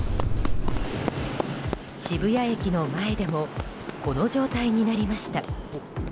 渋谷駅の前でもこの状態になりました。